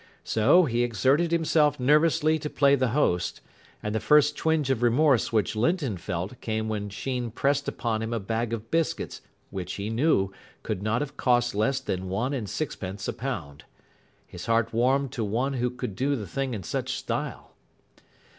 So he exerted himself nervously to play the host, and the first twinge of remorse which Linton felt came when Sheen pressed upon him a bag of biscuits which, he knew, could not have cost less than one and sixpence a pound. His heart warmed to one who could do the thing in such style.